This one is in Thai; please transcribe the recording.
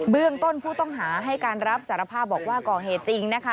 เรื่องต้นผู้ต้องหาให้การรับสารภาพบอกว่าก่อเหตุจริงนะคะ